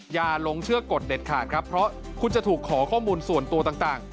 อย่าลงเชื่อกฎเด็ดขาดครับเพราะคุณจะถูกขอข้อมูลส่วนตัวต่าง